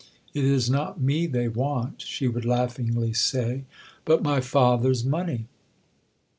"It is not me they want," she would laughingly say, "but my father's money.